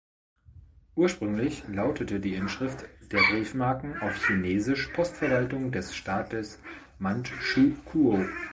Ursprünglich lautete die Inschrift der Briefmarken (auf Chinesisch) „Postverwaltung des Staats Mandschukuo“.